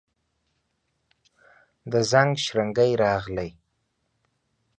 د زنګ شرنګی راغلي